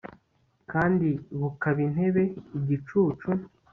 kandi bubaka intebe igicucu ...